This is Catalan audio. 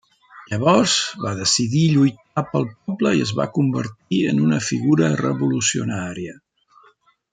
Llavors, va decidir lluitar pel poble, i es va convertir en una figura revolucionària.